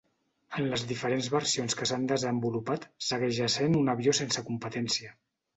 En les diferents versions que s'han desenvolupat, segueix essent un avió sense competència.